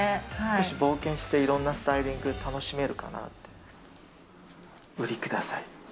少し冒険して、いろんなスタイリング楽しめるかなって。